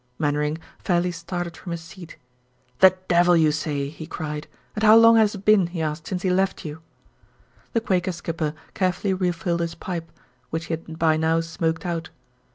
Mainwaring fairly started from his seat. "The devil you say!" he cried. "And how long has it been," he asked, "since he left you?" The Quaker skipper carefully refilled his pipe, which he had by now smoked out.